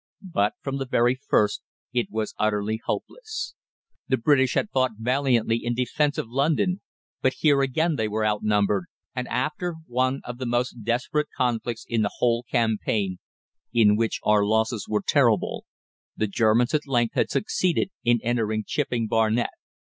But from the very first it was utterly hopeless. The British had fought valiantly in defence of London, but here again they were outnumbered, and after one of the most desperate conflicts in the whole campaign in which our losses were terrible the Germans at length had succeeded in entering Chipping Barnet.